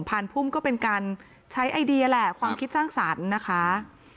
ผ่านพุ่มก็เป็นการใช้ไอเดียแหละความคิดสร้างสรรค์นะคะ